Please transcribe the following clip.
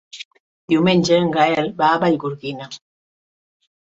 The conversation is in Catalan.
Diumenge en Gaël va a Vallgorguina.